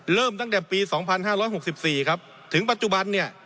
เริ่มตั้งแต่ปี๒๕๖๔ถึงปัจจุบัน